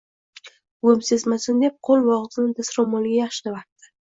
Buvim sezmasin, deb qo‘l va og‘zini dastro‘moliga yaxshilab artdi